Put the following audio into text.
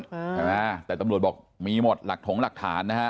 ใช่ไหมแต่ตำรวจบอกมีหมดหลักถงหลักฐานนะฮะ